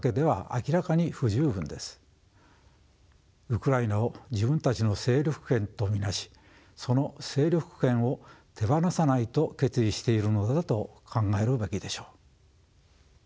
ウクライナを自分たちの勢力圏と見なしその勢力圏を手放さないと決意しているのだと考えるべきでしょう。